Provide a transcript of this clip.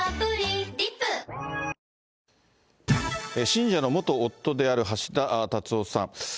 信者の元夫である橋田達夫さん。